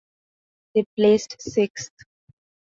They placed sixth.